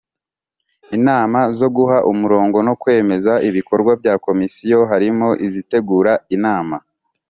Inama zo guha umurongo no kwemeza ibikorwa bya komisiyo harimo izitegura inama